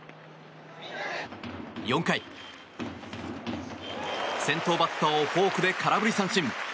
４回、先頭バッターをフォークで空振り三振。